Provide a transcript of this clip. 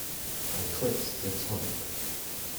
I clicked the tongue.